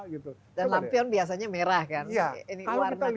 dan lampion biasanya merah kan